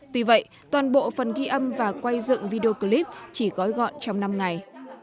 tuy vậy toàn bộ phần ghi âm và quay dựng video clip chỉ gói gọn trong năm ngày